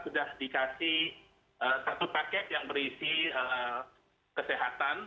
sudah dikasih satu paket yang berisi kesehatan